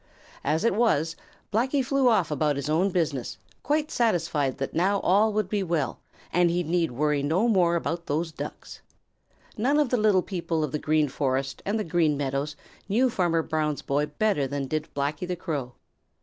As it was, Blacky flew off about his own business, quite satisfied that now all would be well, and he need worry no more about those Ducks. None of the little people of the Green Forest and the Green Meadows knew Farmer Brown's boy better than did Blacky the Crow.